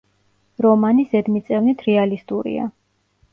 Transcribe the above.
რომანი ზედმიწევნით რეალისტურია.